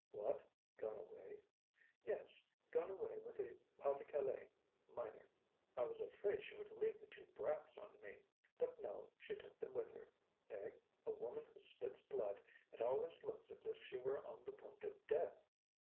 "What! gone away?" "Yes, gone away with a Pas de Calais miner. I was afraid she would leave the two brats on me. But no, she took them with her. Eh? A woman who spits blood and always looks as if she were on the point of death!"